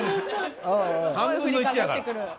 ３分の１やから。